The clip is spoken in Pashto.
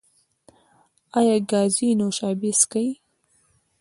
ایا ګازي نوشابې څښئ؟